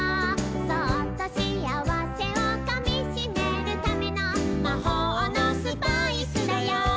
「そっとしあわせをかみしめるための」「まほうのスパイスだよ」